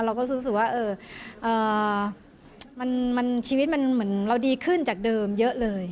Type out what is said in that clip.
เราก็รู้สึกว่าชีวิตมันเหมือนเราดีขึ้นจากเดิมเยอะเลย